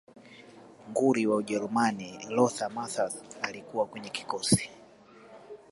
nguli wa ujerumani lothar matthaus alikuwa kwenye kikosi